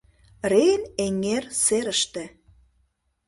Рейн эҥер серыште